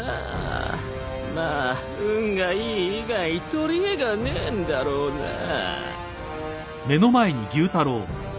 まあ運がいい以外取りえがねえんだろうなぁ。